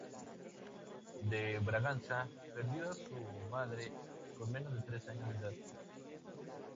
De Braganza perdió a su madre con menos de tres años de edad.